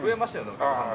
お客さんが。